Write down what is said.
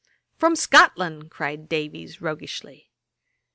'From Scotland,' cried Davies roguishly.